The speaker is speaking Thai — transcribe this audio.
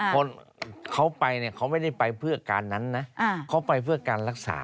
คนเขาไปเนี่ยเขาไม่ได้ไปเพื่อการนั้นนะเขาไปเพื่อการรักษา